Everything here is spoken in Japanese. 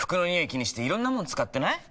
気にしていろんなもの使ってない？